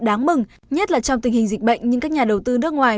đáng mừng nhất là trong tình hình dịch bệnh nhưng các nhà đầu tư nước ngoài